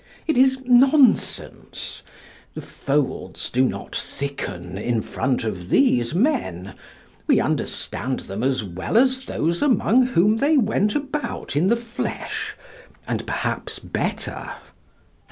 It's nonsense the folds do not thicken in front of these men; we understand them as well as those among whom they went about in the flesh, and perhaps better.